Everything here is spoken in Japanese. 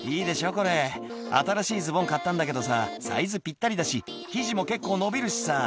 これ新しいズボン買ったんだけどさサイズぴったりだし生地も結構伸びるしさ」